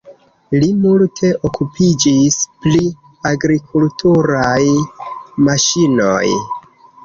Li multe okupiĝis pri agrikulturaj maŝinoj.